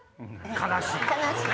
悲しい。